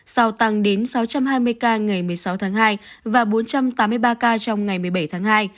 sau tăng đến sáu trăm hai mươi ca ngày một mươi sáu tháng hai và bốn trăm tám mươi ba ca trong ngày một mươi bảy tháng hai